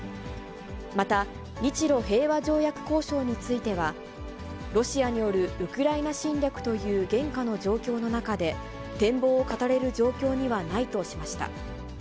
また、日露平和条約交渉については、ロシアによるウクライナ侵略という現下の状況の中で、展望を語れる状況にはないとしました。